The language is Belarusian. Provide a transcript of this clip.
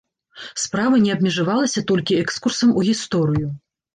Справа не абмежавалася толькі экскурсам у гісторыю.